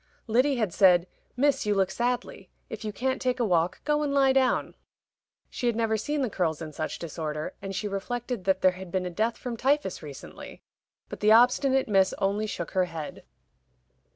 Lyddy had said, "Miss, you look sadly; if you can't take a walk, go and lie down." She had never seen the curls in such disorder, and she reflected that there had been a death from typhus recently. But the obstinate Miss only shook her head.